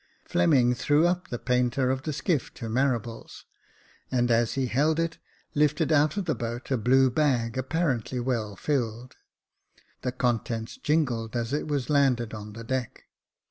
Fleming threw up the painter of the skiif to Marables, and, as he held it, lifted out of the boat a blue bag, apparently well filled. The contents jingled as it was landed on the deck.